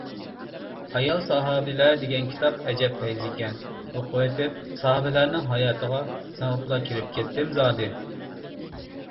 «ئايال ساھابىلەر» دېگەن كىتاب ئەجەب پەيزىكەن، ئوقۇۋېتىپ ساھابىلەرنىڭ ھاياتىغا سىڭىپلا كىرىپ كەتتىم زادى.